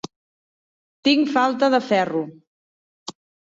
Tinc falta de ferro.